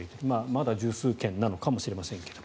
まだ１０数件なのかもしれませんが。